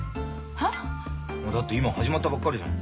は？だって今始まったばっかりじゃん。